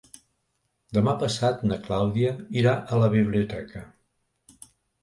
Demà passat na Clàudia irà a la biblioteca.